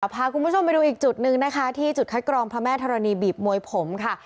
พาคุณผู้ชมไปดูอีกจุดหนึ่งนะคะที่จุดคัดกรองพระแม่ธรณีบีบมวยผมค่ะ